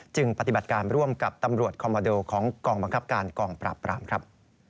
ปฏิบัติการร่วมกับตำรวจคอมโมโดของกองบังคับการกองปราบปรามครับ